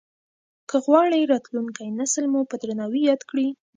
که غواړې راتلونکي نسلونه مو په درناوي ياد کړي.